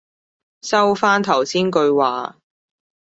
收返頭先句話